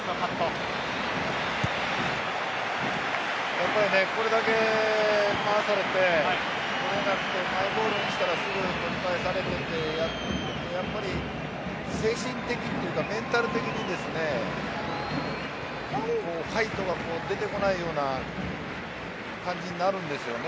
やっぱり、これだけ回されて取れなくてマイボールにしたらすぐ取り返されてやっぱり精神的というかメンタル的にですねファイトが出てこないような感じになるんですよね